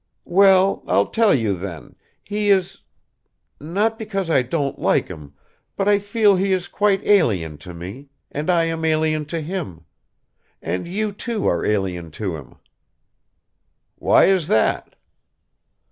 "Well, I'll tell you then, he is ... not because I don't like him, but I feel he is quite alien to me, and I am alien to him ... and you too are alien to him." "Why is that?"